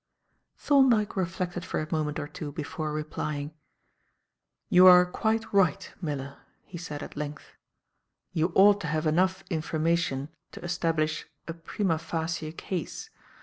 Thorndyke reflected for a moment or two before replying. "You are quite right. Miller," he said, at length, "you ought to have enough information to establish a prima facie case.